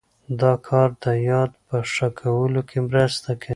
دا کار د یاد په ښه کولو کې مرسته کوي.